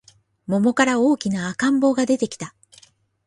桃から大きな赤ん坊が出てきた